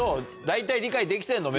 大体理解できてんの？